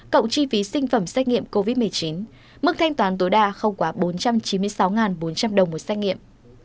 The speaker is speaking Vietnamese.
cộng chi phí sinh phẩm xét nghiệm covid một mươi chín mức thanh toán tối đa không quá bốn trăm chín mươi sáu bốn trăm linh đồng một xét nghiệm